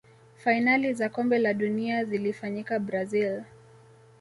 fainali za kombe la dunia zilifanyikia brazil